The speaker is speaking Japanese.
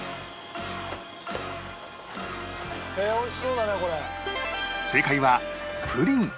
美味しそうだねこれ。